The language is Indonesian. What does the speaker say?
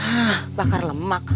hah bakar lemak